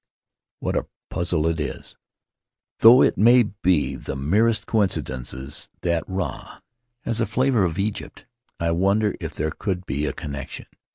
What a puzzle it is! "Though it may be the merest coincidence, that ra has a flavor of Egypt. I wonder if there could be a connection?